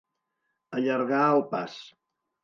Allargar el pas.